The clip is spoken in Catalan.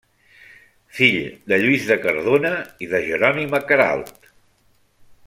Fill de Lluís de Cardona i de Jerònima Queralt.